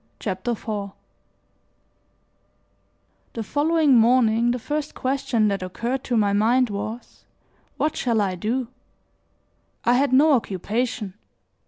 CHAPTER IV THE following morning the first question that occurred to my mind was: "What shall I do?" I had no occupation.